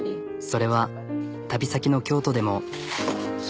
それは旅先の京都でも。